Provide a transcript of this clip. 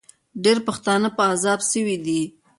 ډېر پښتانه په عذاب سوي دي.